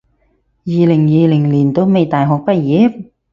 二零二零年都未大學畢業？